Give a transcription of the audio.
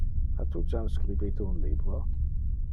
Ha tu jam scribite un libro?